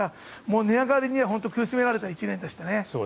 値上がりには本当に苦しめたられた１年でしたね。